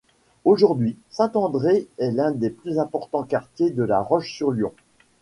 Aujourd'hui, St-André est l'un des plus importants quartiers de La Roche-sur-Yon.